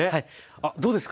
あっどうですか？